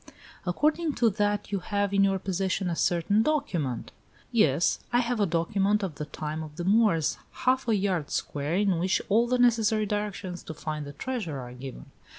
"According to that you have in your possession a certain document " "Yes; I have a document of the time of the Moors, half a yard square, in which all the necessary directions to find the treasure are given."